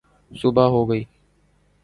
صبح ہو گئی